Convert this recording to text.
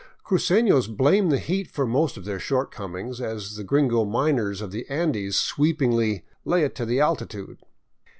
Crucenos blame the heat for most of their shortcomings, as the gringo miners of the Andes sweepingly " lay it to the altitude."